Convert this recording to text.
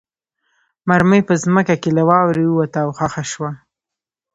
مرمۍ په ځمکه کې له واورې ووته او خښه شوه